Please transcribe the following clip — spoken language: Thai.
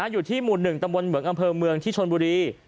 อยู่ที่หมู่๑ตำบลเหมืองอำเภอเมืองที่ชนบุรี